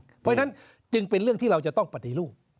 เพราะฉะนั้นจึงเป็นเรื่องที่เราจะต้องปฏิรูป